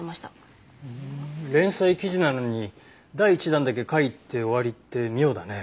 連載記事なのに第１弾だけ書いて終わりって妙だね。